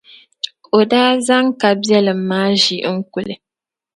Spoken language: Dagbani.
o daa zaŋ kabiɛlim maa ʒi n-kuli.